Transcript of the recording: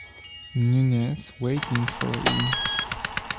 Nunez waiting for him.